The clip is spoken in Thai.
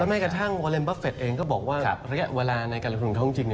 แล้วแม้กระทั่งโวเล็นบัฟเฟตเองก็บอกว่าเรียกเวลาในการลงทุนท่องจริง